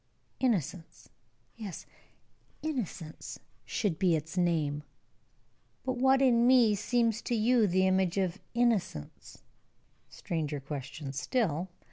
"'INNOCENCE.' Yes, 'INNOCENCE' should be its name!" "But what in me seems to you the image of 'Innocence?'" Stranger question still.